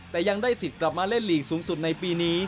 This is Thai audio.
แต่ยังได้สิทธิ์กลับมาเล่นลีกสูงสุดในปีนี้